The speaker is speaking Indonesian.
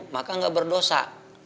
maka gak berdosa